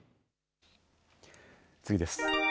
次です。